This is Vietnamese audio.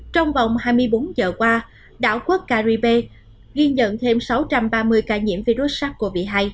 trong vòng hai mươi bốn giờ qua đảo quốc caribe ghi nhận thêm sáu trăm ba mươi ca nhiễm virus sars cov hai